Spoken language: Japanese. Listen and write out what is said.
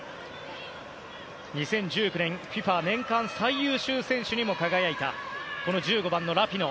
２０１９年、ＦＩＦＡ年間最優秀選手にも輝いたこの１５番のラピノ。